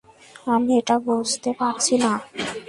আমি এটা বুঝতে পারছি না।